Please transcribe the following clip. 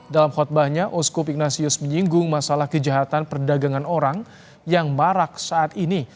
dalam khutbahnya osco pignatius menyinggung masalah kejahatan perdagangan orang yang marak saat ini